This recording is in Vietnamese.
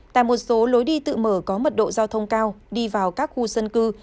tại một số lối đi tự mở có mật độ giao thông cao đi vào các khu dân cư